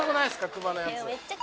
熊のやつ。